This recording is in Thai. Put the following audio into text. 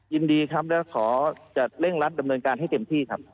ยินดีครับแล้วขอจะเร่งรัดดำเนินการให้เต็มที่ครับ